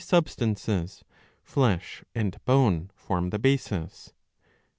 43 substances flesh and bone form the basis.